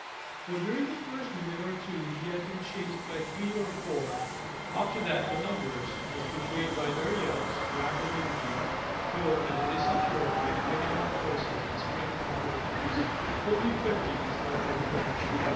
For during the first minute or two he had been chased by three or four; after that the numbers, as betrayed by their yells, rapidly increased, till as they secured their pegged out horses and sprang upon their backs, fully fifty must have joined in the chase.